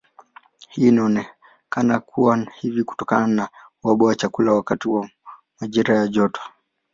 Hii inaonekana kuwa hivi kutokana na uhaba wa chakula wakati wa majira ya joto.